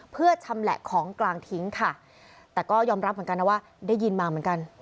เพื่อชำแหละของกลางทิ้งค่ะแต่ก็ยอมรับเหมือนกันนะว่าได้ยินมาเหมือนกัน